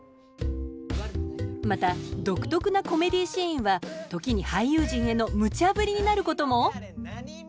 また独特なコメディーシーンは時に俳優陣へのむちゃぶりになることも？